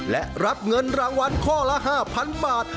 และรับเงินรางวัลข้อละ๕๐๐๐บาท